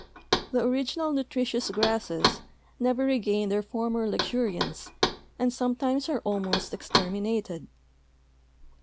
The original nutritious grasses never regain their former luxuriance and sometimes are almost exterminated.